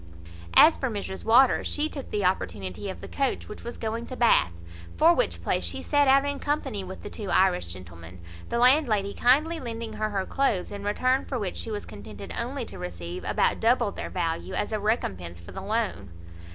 As for Mrs Waters, she took the opportunity of the coach which was going to Bath; for which place she set out in company with the two Irish gentlemen, the landlady kindly lending her her cloaths; in return for which she was contented only to receive about double their value, as a recompence for the loan.